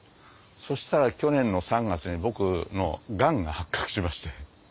そしたら去年の３月に僕のがんが発覚しまして。